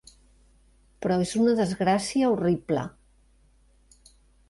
Però és una desgràcia horrible.